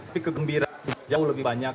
tapi kegembiraan jauh lebih banyak